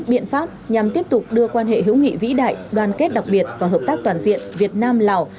biện pháp nhằm tiếp tục đưa quan hệ hữu nghị vĩ đại đoàn kết đặc biệt và hợp tác toàn diện việt nam lào